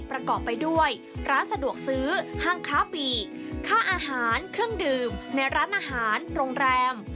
ประกอบไปด้วยร้านสะดวกซื้อห้างคล้าปีกค่าอาหารเครื่องดื่มในร้านอาหารโรงแรม